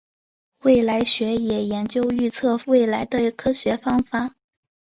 未来学也研究预测未来的科学方法。